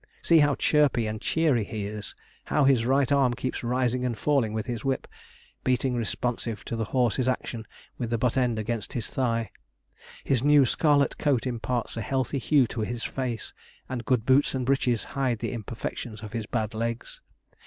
See how chirpy and cheery he is; how his right arm keeps rising and falling with his whip, beating responsive to the horse's action with the butt end against his thigh. His new scarlet coat imparts a healthy hue to his face, and good boots and breeches hide the imperfections of his bad legs.